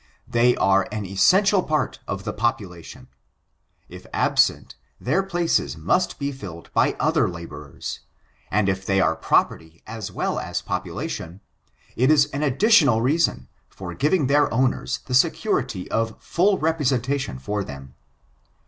They are an essential part of the population ; if absent, their places must be filled by other laborers, and if they are property as well as population, it is an additional reason for giving their owners the security of full representation for them.